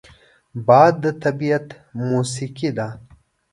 باد د طبیعت موسیقي ده